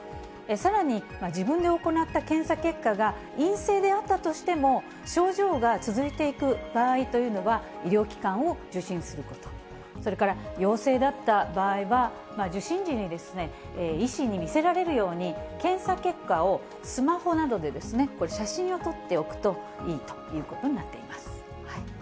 さらに、自分で行った検査結果が、陰性であったとしても、症状が続いていく場合というのは、医療機関を受診すること、それから陽性だった場合は、受診時に、医師に見せられるように検査結果をスマホなどでですね、写真を撮っておくといいということになっています。